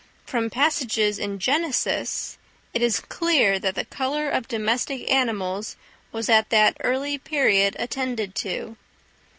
From passages in Genesis, it is clear that the colour of domestic animals was at that early period attended to.